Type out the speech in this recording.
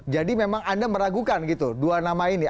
jadi memang anda meragukan gitu dua nama ini